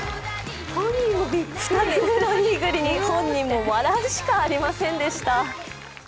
２つ目のイーグルに本人も笑うしかありませんでした。